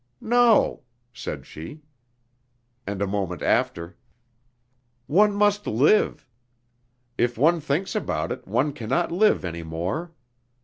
"No," said she. And a moment after: "One must live.... If one thinks about it, one cannot live any more.